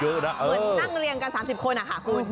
เหมือนนั่งเรียงกันสามสิบคนอ่ะคุณ